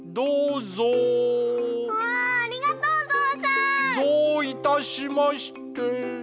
ぞういたしまして。